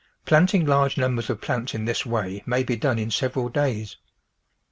Planting large numbers of j)lants in this way may be done in several days.